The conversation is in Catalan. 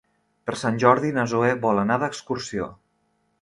Per Sant Jordi na Zoè vol anar d'excursió.